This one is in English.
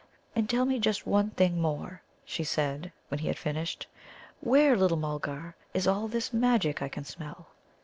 "And tell me just one thing more," she said, when he had finished. "Where, little Mulgar, is all this Magic I can smell?"